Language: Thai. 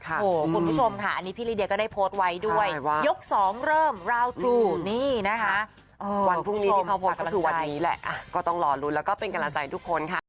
โอ้โหคุณผู้ชมค่ะเป็นการรับใจทุกคนค่ะ